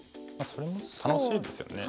それも楽しいですよね。